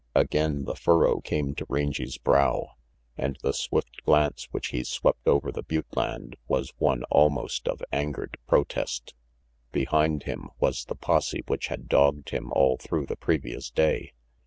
Again the furrow came to Rangy's brow, and the swift glance which he swept over the butte land was one almost of angered protest. 318 RANGY PETE Behind him was the posse which had dogged him all through the previous day.